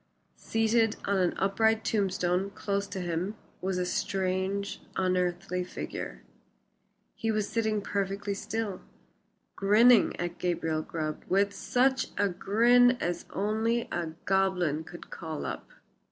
Seated on an upright tombstone close to him was a strange, unearthly figure. He was sitting perfectly still, grinning at Gabriel Grubb with such a grin as only a goblin could call up.